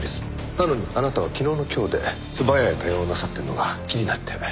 なのにあなたは昨日の今日で素早い対応をなさってるのが気になって。